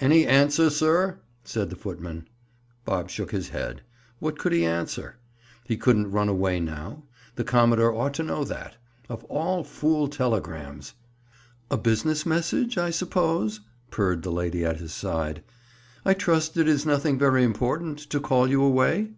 "Any answer, sir?" said the footman. Bob shook his head. What could he answer? He couldn't run away now; the commodore ought to know that. Of all fool telegrams!— "A business message, I suppose?" purred the lady at his side. "I trust it is nothing very important, to call you away?"